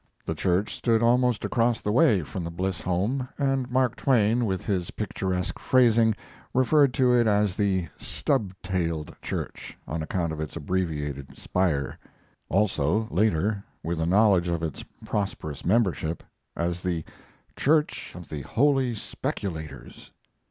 The church stood almost across the way from the Bliss home, and Mark Twain, with his picturesque phrasing, referred to it as the "stub tailed church," on account of its abbreviated spire; also, later, with a knowledge of its prosperous membership, as the "Church of the Holy Speculators."